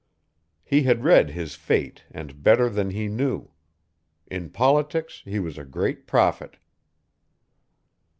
He had read his fate and better than he knew. In politics he was a great prophet.